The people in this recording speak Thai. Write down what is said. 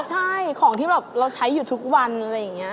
ใช่ของที่แบบเราใช้อยู่ทุกวันอะไรอย่างนี้